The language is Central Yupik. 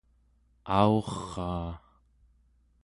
aurraa